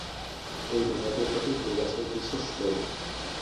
এই রুমালটার প্রতি হরিদাসের বিশেষ লোভ।